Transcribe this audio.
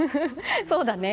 そうだね。